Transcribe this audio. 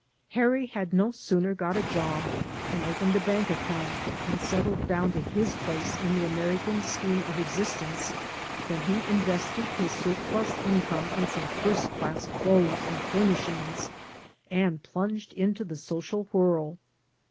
Harry had no sooner got a jpb and opened a bank account and settled down to his place in the American scheme of existence than he invested his surplus income in some first class clothes and furnishings and plunged into the social whirl.